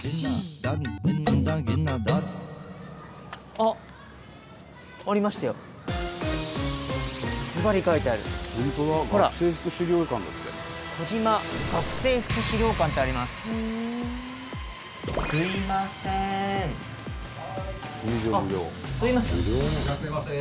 あっすいません。